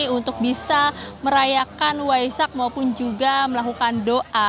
untuk bisa merayakan waisak maupun juga melakukan doa